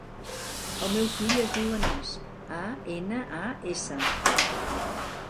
El meu fill es diu Anas: a, ena, a, essa.